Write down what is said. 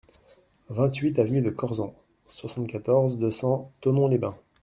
vingt-huit avenue de Corzent, soixante-quatorze, deux cents, Thonon-les-Bains